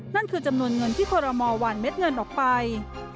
นั่นคือจำนวนเงินที่คอรมอลหวานเม็ดเงินออกไป